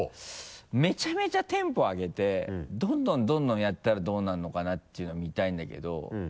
めちゃめちゃテンポ上げてどんどんどんどんやったらどうなるのかなっていうの見たいんだけど。